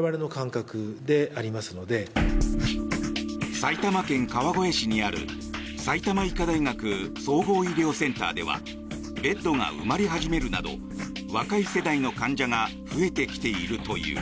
埼玉県川越市にある埼玉医科大学総合医療センターではベッドが埋まり始めるなど若い世代の患者が増えてきているという。